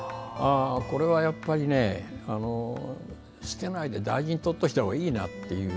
これはやっぱり、捨てないで大事にとっておいたほうがいいなという。